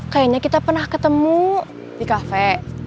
kayaknya kita pernah ketemu di kafe